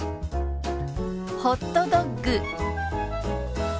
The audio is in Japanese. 「ホットドッグ」。